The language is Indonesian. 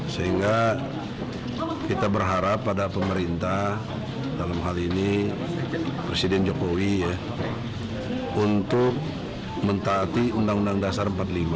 sehingga kita berharap pada pemerintah dalam hal ini presiden jokowi untuk mentaati undang undang dasar empat puluh lima